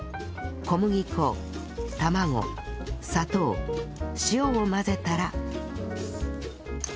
小麦粉卵砂糖塩を混ぜたら